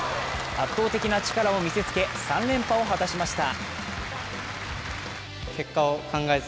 圧倒的な力を見せつけ、３連覇を果たしました。